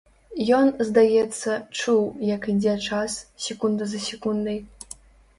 Ён, здаецца, чуў, як ідзе час, секунда за секундай.